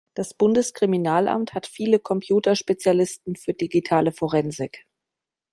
Das Bundeskriminalamt hat viele Computerspezialisten für digitale Forensik.